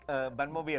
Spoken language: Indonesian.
eh ban mobil